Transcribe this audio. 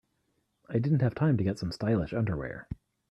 I didn't have time to get some stylish underwear.